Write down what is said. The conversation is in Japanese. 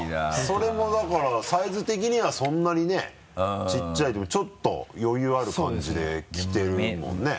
それもだからサイズ的にはそんなにねちっちゃいというかちょっと余裕ある感じで着てるもんね。